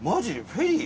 フェリー？